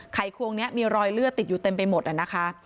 ไขควงนี้มีรอยเลือดติดอยู่เต็มไปหมดนะคะ